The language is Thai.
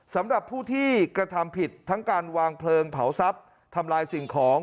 สำหรับผู้ที่กระทำผิดทั้งการวางเพลิงเผาทรัพย์ทำลายสิ่งของ